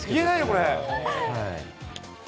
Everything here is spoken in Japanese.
これ。